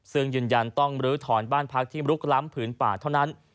ซึ่งยืนยันต้องลื้อถอนบ้านพักที่ลุกล้ำผืนป่าเท่านั้น